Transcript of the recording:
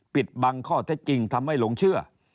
ปิดบังข้อเท็จจริงทำให้หลงเชื่อ